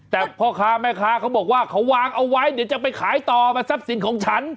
แต่พ่อค้าแม่ค้าเขาบอกว่าเขาวางเอาไว้เดี๋ยวจะไปขายต่อมันทรัพย์สินของฉัน